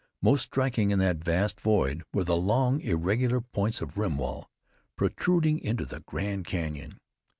Most striking in that vast void were the long, irregular points of rim wall, protruding into the Grand Canyon.